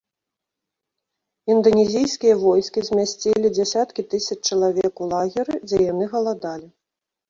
Інданезійскія войскі змясцілі дзясяткі тысяч чалавек у лагеры, дзе яны галадалі.